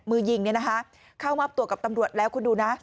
มือยิงเข้ามอบตัวกับตำรวจแล้วคุณดูนะ